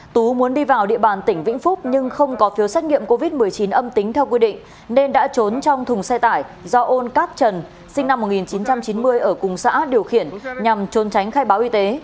tú muốn đi vào địa bàn tỉnh vĩnh phúc nhưng không có phiếu xét nghiệm covid một mươi chín âm tính theo quy định nên đã trốn trong thùng xe tải do ôn cát trần sinh năm một nghìn chín trăm chín mươi ở cùng xã điều khiển nhằm trốn tránh khai báo y tế